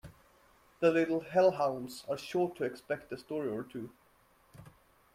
The little hell hounds are sure to expect a story or two.